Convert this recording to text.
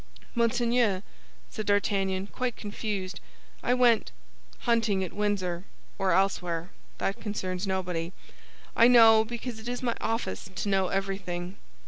"Monseigneur," said D'Artagnan, quite confused, "I went—" "Hunting at Windsor, or elsewhere—that concerns nobody. I know, because it is my office to know everything.